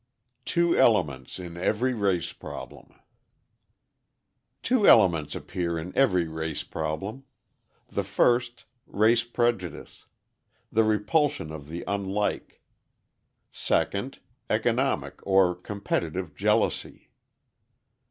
Two Elements in Every Race Problem Two elements appear in every race problem: the first, race prejudice the repulsion of the unlike; second, economic or competitive jealousy.